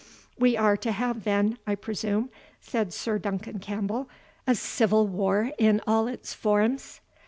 "We are to have, then, I presume," said Sir Duncan Campbell, "a civil war in all its forms?